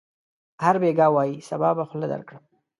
هر بېګا وايي: صبا به خوله درکړم.